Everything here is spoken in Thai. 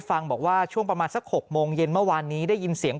ฟังบอกว่าช่วงประมาณสัก๖โมงเย็นเมื่อวานนี้ได้ยินเสียง